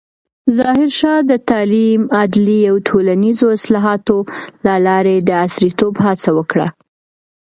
ظاهرشاه د تعلیم، عدلیې او ټولنیزو اصلاحاتو له لارې د عصریتوب هڅه وکړه.